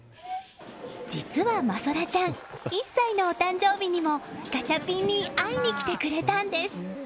実は、真空ちゃん１歳のお誕生日にもガチャピンに会いに来てくれたんです。